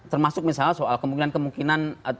termasuk misalnya soal kemungkinan kemungkinan